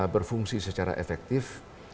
berfungsi secara efektif